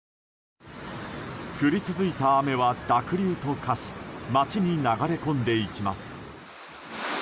降り続いた雨は濁流と化し街に流れ込んでいきます。